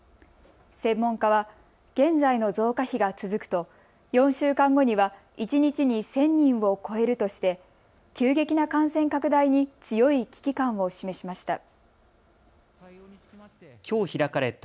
専門家は現在の増加比が続くと４週間後には一日に１０００人を超えるとして急激な感染拡大に強い危機感を示しました。